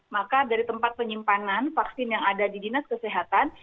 maka dari tempat penyimpanan vaksin yang ada di dinas kesehatan